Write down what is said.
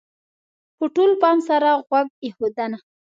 -په ټول پام سره غوږ ایښودنه: